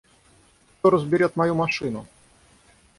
Кто разберёт мою машину?